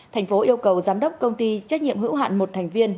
thành phố yêu cầu giám đốc công ty trách nhiệm hữu hạn một thành viên